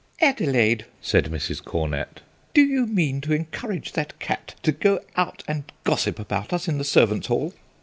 "Adelaide!" said Mrs. Cornett, "do you mean to encourage that cat to go out and gossip about us in the servants' hall?"